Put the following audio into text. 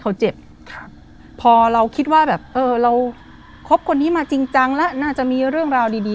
เขาเจ็บครับพอเราคิดว่าแบบเออเราคบคนนี้มาจริงจังแล้วน่าจะมีเรื่องราวดีดี